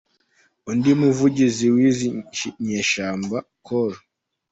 Undi muvugizi w’izi nyeshyamba , Col.